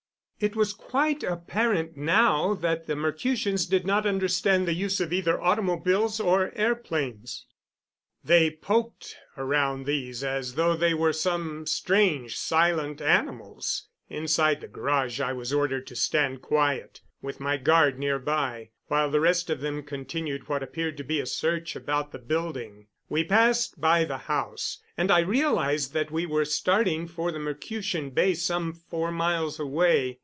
It was quite apparent now that the Mercutians did not understand the use of either automobiles or airplanes; they poked around these as though they were some strange, silent animals. Inside the garage I was ordered to stand quiet, with my guard near by, while the rest of them continued what appeared to be a search about the building. We passed by the house, and I realized that we were starting for the Mercutian base some four miles away.